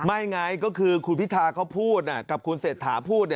ไงก็คือคุณพิธาเขาพูดกับคุณเศรษฐาพูด